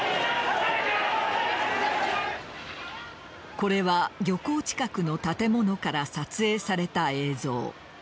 これは漁港近くの建物から撮影された映像。